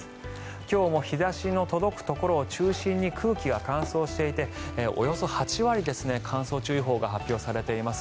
今日も日差しの届くところを中心に空気が乾燥していておよそ８割乾燥注意報が発表されています。